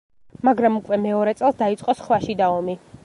მაგრამ უკვე მეორე წელს დაიწყო სხვა შიდა ომი.